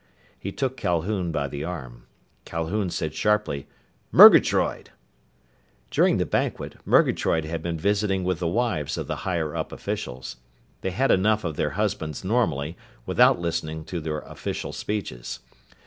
He took Calhoun by the arm. Calhoun said sharply, "Murgatroyd!" During the banquet, Murgatroyd had been visiting with the wives of the higher up officials. They had enough of their husbands normally, without listening to their official speeches.